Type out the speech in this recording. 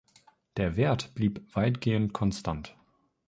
Der Wert blieb weitgehend konstant.